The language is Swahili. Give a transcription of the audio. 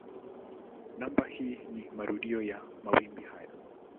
Namba hii ni marudio ya mawimbi haya.